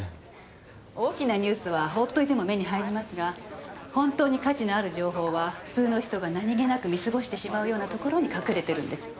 大きなニュースは放っておいても目に入りますが本当に価値のある情報は普通の人が何気なく見過ごしてしまうようなところに隠れてるんです。